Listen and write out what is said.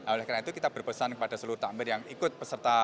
oleh karena itu kita berpesan kepada seluruh tamir yang ikut peserta